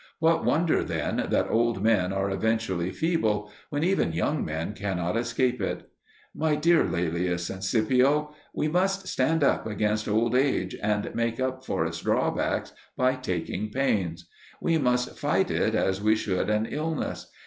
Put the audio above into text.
What wonder, then, that old men are eventually feeble, when even young men cannot escape it? My dear Laelius and Scipio, we must stand up against old age and make up for its drawbacks by taking pains. We must fight it as we should an illness.